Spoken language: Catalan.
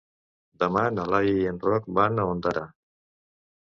Demà na Laia i en Roc van a Ondara.